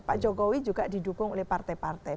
pak jokowi juga didukung oleh partai partai